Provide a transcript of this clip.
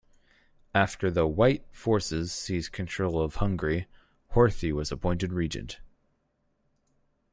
After the "white" forces seized control of Hungary, Horthy was appointed Regent.